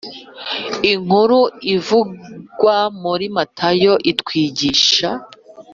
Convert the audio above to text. Inkuru ivugwa muri Matayo itwigisha